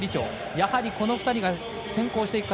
やはりこの２人が先行していく形。